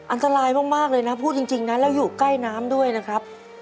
อันตรายมากเลยนะพูดจริงนะแล้วอยู่ใกล้น้ำด้วยนะครับ